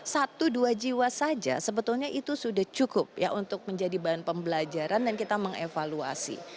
satu dua jiwa saja sebetulnya itu sudah cukup ya untuk menjadi bahan pembelajaran dan kita mengevaluasi